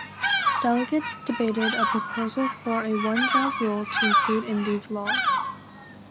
Delegates debated a proposal for a one-drop rule to include in these laws.